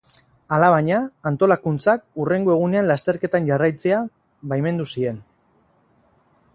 Alabaina, antolakuntzak hurrengo egunean lasterketan jarraitzea baimendu zien.